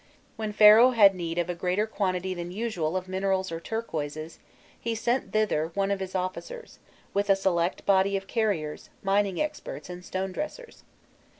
When Pharaoh had need of a greater quantity than usual of minerals or turquoises, he sent thither one of his officers, with a select body of carriers, mining experts, and stone dressers.